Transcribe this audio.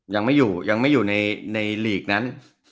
ยังไม่อยู่ในลีกนั้น